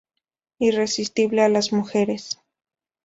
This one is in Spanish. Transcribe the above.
Irresistible a las mujeres".